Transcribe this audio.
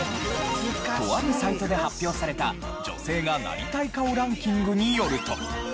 とあるサイトで発表された女性がなりたい顔ランキングによると。